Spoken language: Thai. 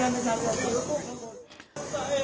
ได้เวลากับลูกตัวเป้าหมด